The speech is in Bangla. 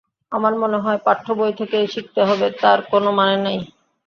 আমার মনে হয়, পাঠ্যবই থেকেই শিখতে হবে তার কোনো মানে নেই।